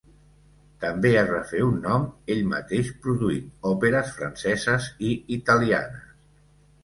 També es va fer un nom ell mateix produint òperes franceses i italianes.